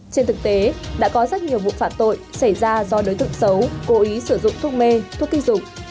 trên thực tế đã có rất nhiều vụ phạt tội xảy ra do đối tượng xấu cố ý sử dụng thuốc mê thuốc kích dục